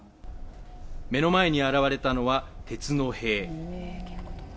目の前に現れたのは鉄の塀。